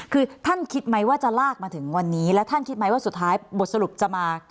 คือท่านคิดไหมว่าจะลากมาถึงวันนี้แล้วท่านคิดไหมว่าสุดท้ายบทสรุปจะมา